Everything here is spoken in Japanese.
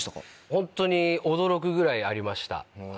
ホントに驚くぐらいありました。